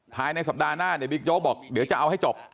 ภายในสัปดาห์หน้าเนี่ยบิ๊กโจ๊กบอกเดี๋ยวจะเอาให้จบ